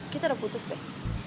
kita udah putus deh